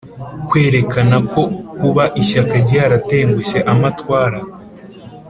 kwerekana ko kuba ishyaka ryaratengushye amatwara